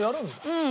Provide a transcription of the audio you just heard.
うん。